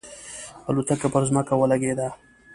الوتکه پر ځمکه ولګېده.